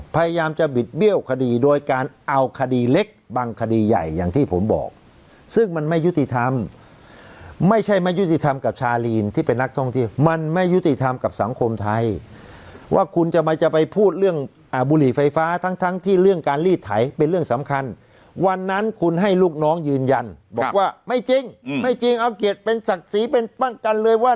พยายามจะบิดเบี้ยวคดีโดยการเอาคดีเล็กบางคดีใหญ่อย่างที่ผมบอกซึ่งมันไม่ยุติธรรมไม่ใช่ไม่ยุติธรรมกับชาลีนที่เป็นนักท่องเที่ยวมันไม่ยุติธรรมกับสังคมไทยว่าคุณจะมาจะไปพูดเรื่องบุหรี่ไฟฟ้าทั้งทั้งที่เรื่องการลีดไถเป็นเรื่องสำคัญวันนั้นคุณให้ลูกน้องยืนยันบอกว่าไม่จริงไม่จริงเอาเกียรติเป็นศักดิ์ศรีเป็นป้องกันเลยว่า